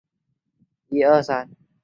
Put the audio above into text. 贡山栎为壳斗科栎属下的一个种。